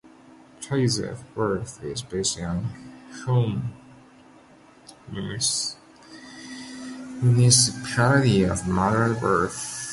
Place of births is based on home municipality of mother at birth.